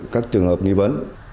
các trường hợp nghi vấn